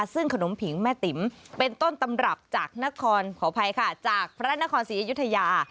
ซึ่งขนมผิงแม่ติ๋มเป็นต้นตำรับจากนครขออภัยค่ะจากพระนครศรีอยุธยา